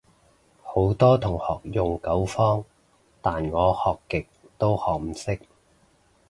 好多同學用九方，但我學極都學唔識